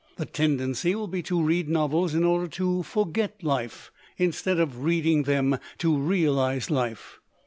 The tendency will be to read novels in order to forget life, instead of read ing them to realize life.